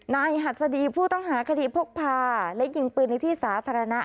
หัสดีผู้ต้องหาคดีพกพาและยิงปืนในที่สาธารณะ